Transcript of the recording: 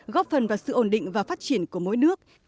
góp phần vào sự ổn định và phát triển của mỗi nước